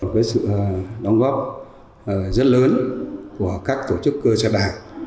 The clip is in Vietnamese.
với sự đóng góp rất lớn của các tổ chức cơ sở đảng